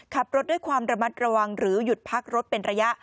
ขับรถด้วยความระมัดระวังหรือหยุดพักรถเป็นระยะ